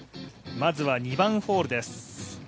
まずは２番ホールです。